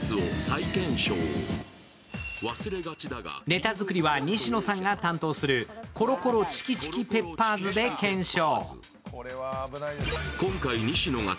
ネタ作りは西野さんが担当するコロコロチキチキペッパーズで検証。